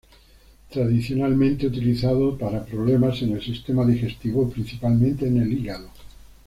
Tradicionalmente utilizado para problemas en el sistema digestivo, principalmente en el hígado.